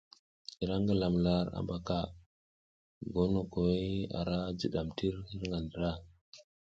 I ra ngilam lar habaka, gonokoy ara jidam tir hirga ndra.